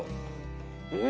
うん！